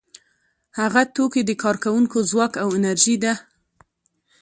هغه توکي د کارکوونکو ځواک او انرژي ده